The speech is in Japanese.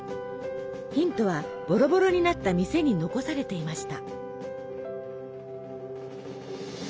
ヒントはボロボロになった店に残されていました。